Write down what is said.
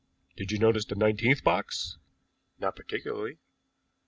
Did you notice the nineteenth box?" "Not particularly."